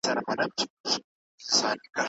دولت به په ټرانسپورټ کي اسانتیاوي راولي.